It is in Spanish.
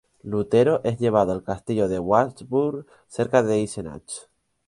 Lutero es llevado al castillo de Wartburg cerca de Eisenach.